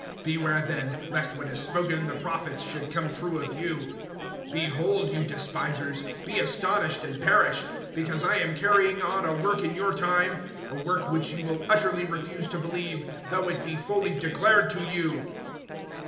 013:040 Beware, then, lest what is spoken in the Prophets should come true of you: 013:041 `Behold, you despisers, be astonished and perish, because I am carrying on a work in your time a work which you will utterly refuse to believe, though it be fully declared to you.'"